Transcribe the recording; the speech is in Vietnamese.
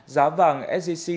giá vàng sgc